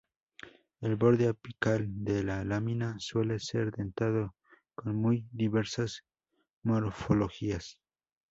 El borde apical de la lámina suele ser dentado con muy diversas morfologías.